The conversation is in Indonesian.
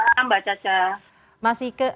selamat malam mbak caca